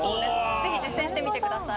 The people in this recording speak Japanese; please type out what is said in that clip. ぜひ実践してみてください。